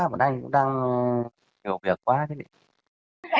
một anh cũng đang hiểu việc quá